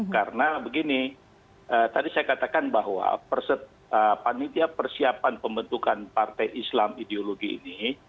karena begini tadi saya katakan bahwa panitia persiapan pembentukan partai islam ideologi ini